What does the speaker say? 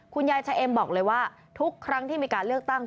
คุณยายชะเอ็มบอกเลยว่าทุกครั้งที่มีการเลือกตั้ง